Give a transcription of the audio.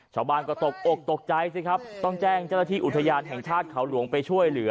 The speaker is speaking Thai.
ชาวบ้านก็ตกอกตกใจสิครับต้องแจ้งเจ้าหน้าที่อุทยานแห่งชาติเขาหลวงไปช่วยเหลือ